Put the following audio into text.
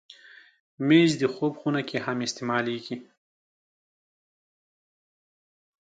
مېز د خوب خونه کې هم استعمالېږي.